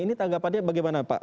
ini tanggapannya bagaimana pak